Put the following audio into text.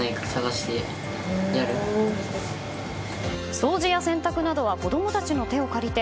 掃除や洗濯などは子供たちの手を借りて